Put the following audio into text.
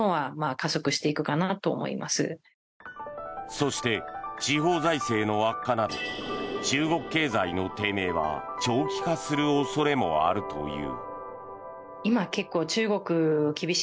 そして、地方財政の悪化など中国経済の低迷は長期化する恐れもあるという。